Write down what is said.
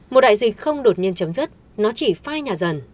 một đại dịch không đột nhiên chấm dứt nó chỉ phai nhà dần